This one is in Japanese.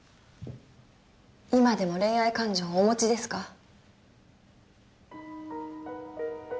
今でも恋愛感情をお持ちですか？